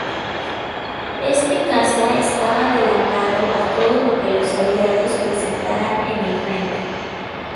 Este caza estaba adelantado a todo lo que los Aliados presentaran en el frente.